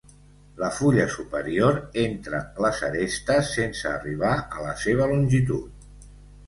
La fulla superior entre les arestes, sense arribar a la seva longitud.